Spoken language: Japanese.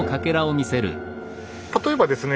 例えばですね